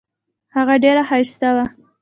هغه ډیره ښایسته وه.